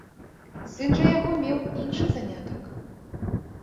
Сын жа яго меў іншы занятак.